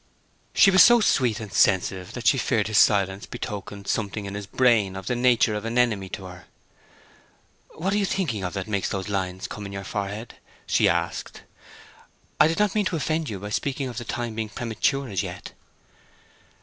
She was so sweet and sensitive that she feared his silence betokened something in his brain of the nature of an enemy to her. "What are you thinking of that makes those lines come in your forehead?" she asked. "I did not mean to offend you by speaking of the time being premature as yet."